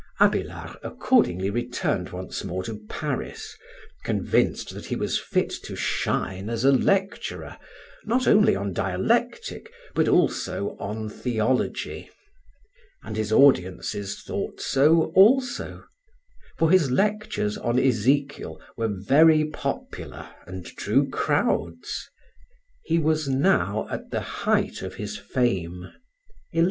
Abélard accordingly returned once more to Paris, convinced that he was fit to shine as a lecturer, not only on dialectic, but also on theology. And his audiences thought so also; for his lectures on Ezekiel were very popular and drew crowds. He was now at the height of his fame (1118).